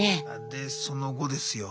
でその後ですよ